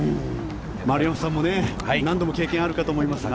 丸山さんも何度も経験あるかと思いますが。